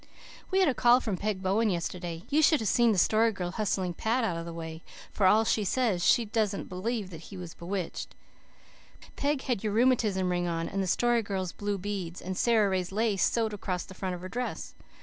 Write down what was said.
"We had a call from Peg Bowen yesterday. You should of seen the Story Girl hustling Pat out of the way, for all she says she don't believe he was bewitched. Peg had your rheumatism ring on and the Story Girl's blue beads and Sara Ray's lace soed across the front of her dress.